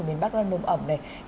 của miền bắc đoàn nùm ẩm này